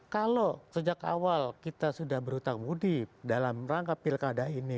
kalau sejak awal kita sudah berhutang budi dalam rangka pilkada ini